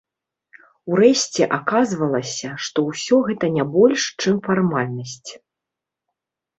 Урэшце аказвалася, што ўсё гэта не больш, чым фармальнасць.